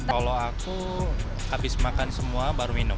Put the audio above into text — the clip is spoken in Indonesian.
kalau aku habis makan semua baru minum